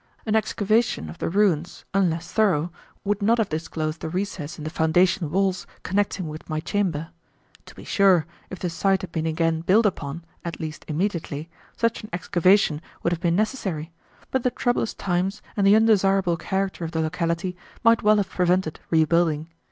An excavation of the ruins, unless thorough, would not have disclosed the recess in the foundation walls connecting with my chamber. To be sure, if the site had been again built upon, at least immediately, such an excavation would have been necessary, but the troublous times and the undesirable character of the locality might well have prevented rebuilding.